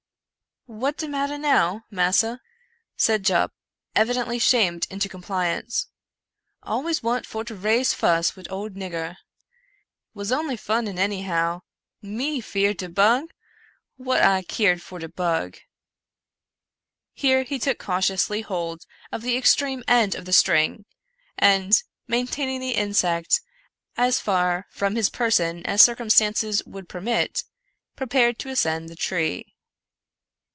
" What de matter now, massa ?" said Jup, evidently shamed into compliance ;" always want for to raise fuss wid old nigger. Was only funnin anyhow. Me feered de bug! what I keer for de bug?" Here he took cautiously hold of the extreme end of the string, and, maintaining the insect as far from his person as circumstances would per mit, prepared to ascend the tree.